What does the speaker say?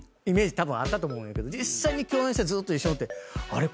たぶんあったと思うんやけど実際に共演してずっと一緒におってあれっ？